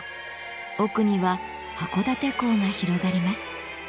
奥には函館港が広がります。